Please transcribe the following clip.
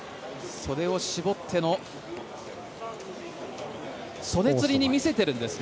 袖を絞っての袖釣りに見せてるんですね。